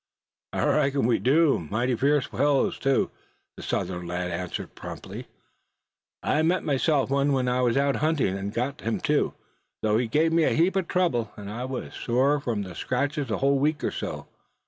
"I reckon we do, suh, and mighty fierce fellows too," the Southern lad made answer promptly; "I've myself met with one when out hunting, and got him too, though he gave me a heap of trouble; and I was sore from the scratches a whole week or so.